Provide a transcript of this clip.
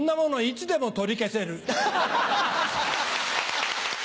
いつでも取り消せる。